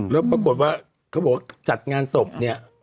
แล้วปรากฏว่าเขาบอกว่าจัดงานศพเนี่ย